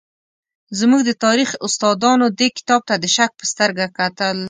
زموږ د تاریخ استادانو دې کتاب ته د شک په سترګه کتل.